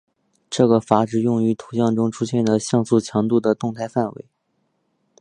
这个阈值用于图像中出现的像素强度的动态范围。